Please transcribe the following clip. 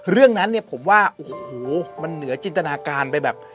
เรื่องนั้นเนี่ยผมว่าโอ้โหมันเหนือจินตนาการไปแบบ